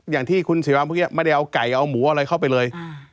อย่างที่คุณสิวังพวกนี้มาได้เอาไก่เอาหมูอะไรเข้าไปเลย